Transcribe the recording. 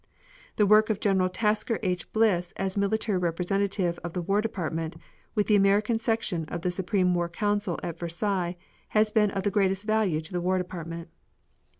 The work of General Tasker H. Bliss as military representative of the War Department with the American Section of the Supreme War Council at Versailles has been of the greatest value to the War Department.